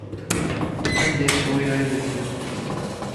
Anda ay ssewwayeɣ imensi?